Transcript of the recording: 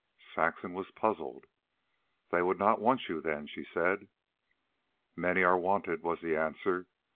Saxon was puzzled. "They would not want you then," she said. "Many are wanted," was the answer.